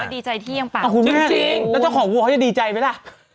ดีใจที่ยังป่าวจริงจริงแล้วเจ้าของกูเขาจะดีใจไหมล่ะ